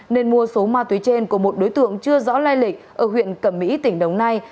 nên mua số ma túy trên của một đối tượng chưa rõ lai lịch ở huyện cẩm mỹ tỉnh đồng nai